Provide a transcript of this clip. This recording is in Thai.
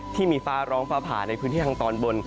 ที่มีฟ้าร้องฟ้าผ่าในพื้นที่ทางตอนบน